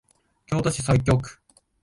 京都市西京区